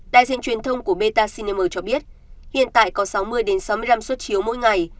đài diện truyền thông của beta cinema cho biết hiện tại có sáu mươi sáu mươi năm xuất chiếu mỗi ngày